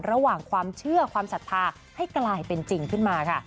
ระหว่างความเชื่อความศรัทธาให้กลายเป็นจริงขึ้นมาค่ะ